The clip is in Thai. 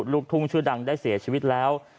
ลูกทุ่งชื่อดังได้เสียชีวิตแล้ว